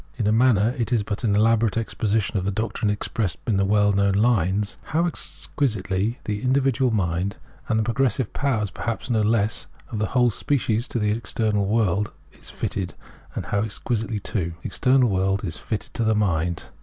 In a manner, it Translator's introduction xxxi is but an elaborate exposition of the doctrine expressed in the well known lines :— How exquisitely the individual Mind (And the progressive powers perhaps no less Of the whole species) to the external World Is fitted :— and how exquisitely too The external World is fitted to the Mind.